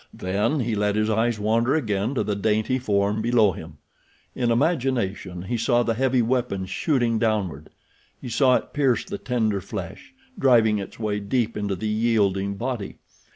Then he let his eyes wander again to the dainty form below him. In imagination he saw the heavy weapon shooting downward. He saw it pierce the tender flesh, driving its way deep into the yielding body.